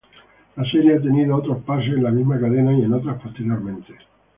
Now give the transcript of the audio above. La serie ha tenido otros pases en la misma cadena y en otras posteriormente.